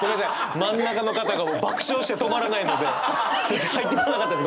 真ん中の方が爆笑して止まらないので全然入ってこなかったです